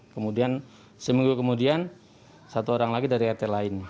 kemudian seminggu kemudian satu orang lagi dari rt lain